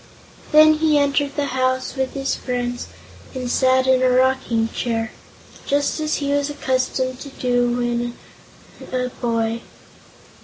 Then he entered the house with his friends and sat in a rocking chair just as he was accustomed to do when a boy.